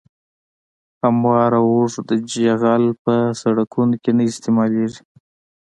هموار او اوږد جغل په سرکونو کې نه استعمالیږي